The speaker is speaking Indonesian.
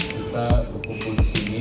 kita berkumpul di sini